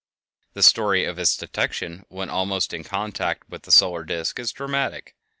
The story of its detection when almost in contact with the solar disk is dramatic.